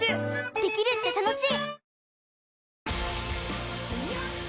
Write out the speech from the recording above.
できるって楽しい！